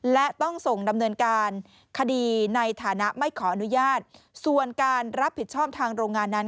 และต้องส่งดำเนินการคดีในฐานะไม่ขออนุญาตส่วนการรับผิดชอบทางโรงงานนั้น